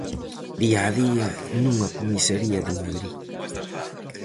Día a día nunha comisaría de Madrid.